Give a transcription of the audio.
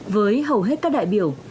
với hầu hết các đại biểu